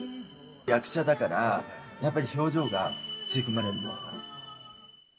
役者だから、やっぱり表情が吸い込まれるものがある。